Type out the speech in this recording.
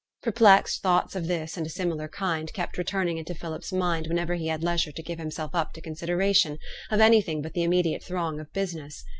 Perplexed thoughts of this and a similar kind kept returning into Philip's mind whenever he had leisure to give himself up to consideration of anything but the immediate throng of business.